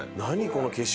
この景色。